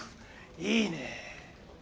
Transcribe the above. いいね。